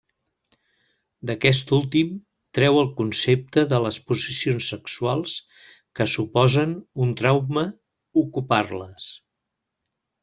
D'aquest últim, treu el concepte de les posicions sexuals que suposen un trauma ocupar-les.